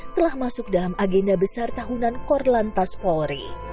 telah masuk dalam agenda besar tahunan korlantas polri